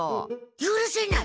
ゆるせない！